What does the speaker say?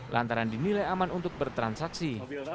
lantaran dinilai aman untuk bertransaksi